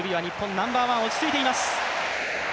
ナンバーワン、落ち着いています。